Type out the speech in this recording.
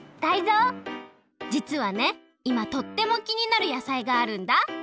じつはねいまとってもきになる野菜があるんだ。